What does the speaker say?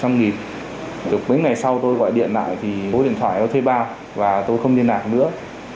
mấy ngày sau tôi gọi điện lại thì số điện thoại thay bao và tôi không liên lạc nữa